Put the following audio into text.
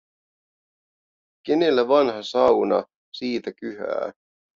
Kenellä vanha sauna, siitä kyhää.